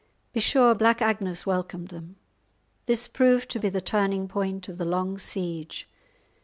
Be sure Black Agnes welcomed them! This proved to be the turning point of the long siege.